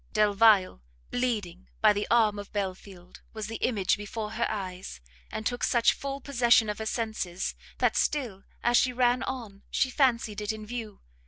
Delvile, bleeding by the arm of Belfield, was the image before her eyes, and took such full possession of her senses, that still, as she ran on, she fancied it in view.